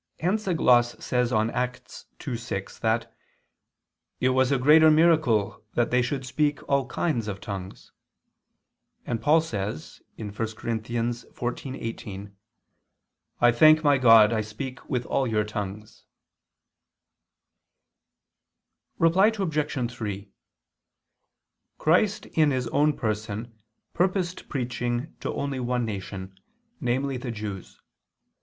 Hence a gloss says on Acts 2:6 that "it was a greater miracle that they should speak all kinds of tongues"; and Paul says (1 Cor. 14:18): "I thank my God I speak with all your tongues." Reply Obj. 3: Christ in His own person purposed preaching to only one nation, namely the Jews.